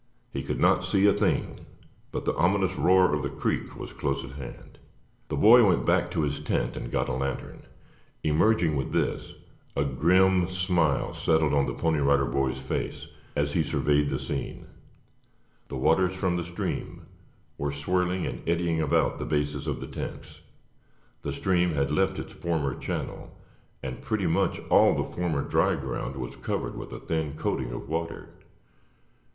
He could not see a thing, but the ominous roar of the creek was close at hand. The boy went back to his tent and got a lantern. Emerging with this, a grim smile settled on the Pony Rider Boy's face as he surveyed the scene. The waters from the stream were swirling and eddying about the bases of the tents; the stream had left its former channel and pretty much all the former dry ground was covered with a thin coating of water.